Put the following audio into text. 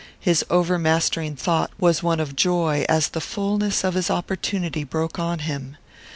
His overmastering thought was one of joy as the fulness of his opportunity broke on him.